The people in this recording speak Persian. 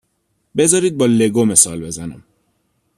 بذارید با لگو مثال بزنم.